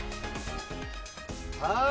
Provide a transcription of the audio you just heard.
はい！